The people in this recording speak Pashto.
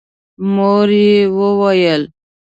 مور يې وويل: